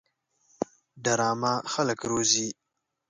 ډرامه خلک روزي